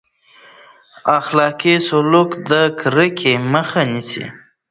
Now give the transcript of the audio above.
اخلاقي سلوک د کرکې مخه نیسي.